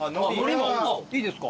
いいですか？